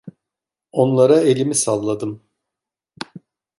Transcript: Onlara elimi salladım.